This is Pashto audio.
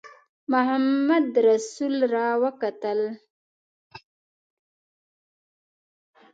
محمدرسول را وکتل.